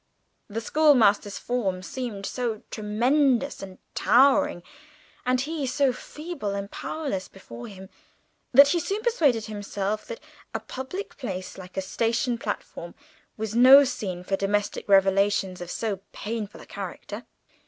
The schoolmaster's form seemed so tremendous and towering, and he so feeble and powerless before him, that he soon persuaded himself that a public place, like a station platform, was no scene for domestic revelations of so painful a character.